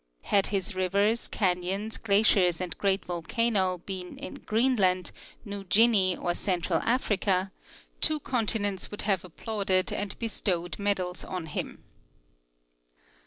Had his rivers, canyons, glaciers and great volcano been in Green land, New Guinea or central Africa, two continents would have applauded and bestowed medals on him.